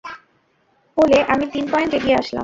পোলে আমি তিন পয়েন্ট এগিয়ে আসলাম!